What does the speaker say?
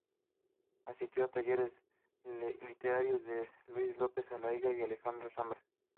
Asistió a los talleres literarios de de Luis López-Aliaga y Alejandro Zambra.